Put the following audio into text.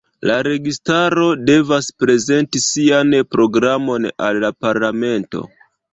La registaro devas prezenti sian programon al la parlamento.